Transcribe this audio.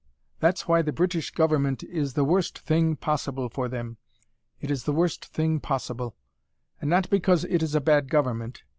That's why the British Government is the worst thing possible for them. It is the worst thing possible. And not because it is a bad government.